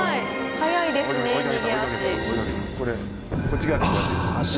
速いですね逃げ足。